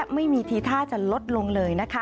ไม่มีทีท่าจะลดลงเลยนะคะ